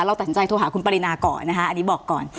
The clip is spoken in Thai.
ตัดสินใจโทรหาคุณปรินาก่อนนะคะอันนี้บอกก่อน